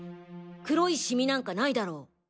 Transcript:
黒いシミなんかないだろ。